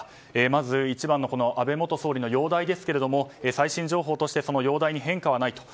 まず、一番の安倍元総理の容体ですけども最新情報として容体に変化はないと。